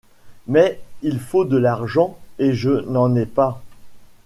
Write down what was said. Mais il faut de l’argent, et je n’en ai pas.